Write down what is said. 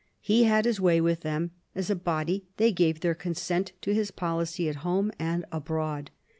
He had his way with them : as a body, they gave their consent to his policy at home and abroad.